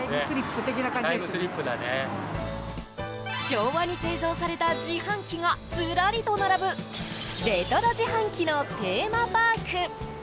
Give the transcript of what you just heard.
昭和に製造された自販機がずらりと並ぶレトロ自販機のテーマパーク。